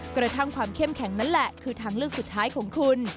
กระทั่งความเข้มแข็งนั่นแหละคือทางเลือกสุดท้ายของคุณ